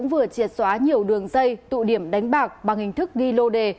vừa triệt xóa nhiều đường dây tụ điểm đánh bạc bằng hình thức ghi lô đề